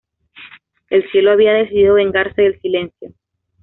El cielo había decidido vengarse del silencio.